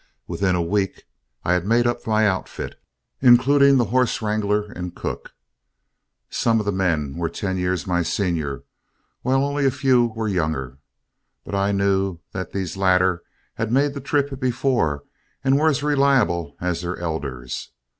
Within a week I had made up my outfit, including the horse wrangler and cook. Some of the men were ten years my senior, while only a few were younger, but I knew that these latter had made the trip before and were as reliable as their elders.